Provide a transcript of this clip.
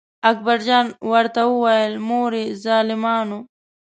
اکبر جان ورته وویل: مورې ظالمانو.